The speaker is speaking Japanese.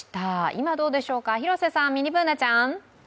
今どうでしょうか、広瀬さん、ミニＢｏｏｎａちゃん。